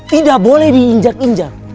tidak boleh diinjak injak